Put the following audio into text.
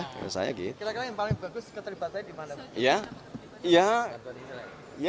kira kira yang paling bagus keterlibatannya di mana